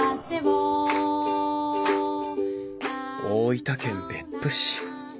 大分県別府市。